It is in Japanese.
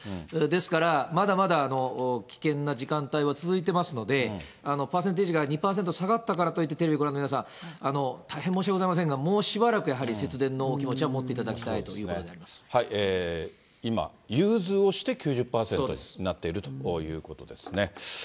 ですから、まだまだ危険な時間帯は続いてますので、パーセンテージが２％下がったからといって、テレビご覧の皆さん、大変申し訳ございませんが、もうしばらく節電のお気持ちは持っていただきたいということであ今、融通をして９０％になっているということですね。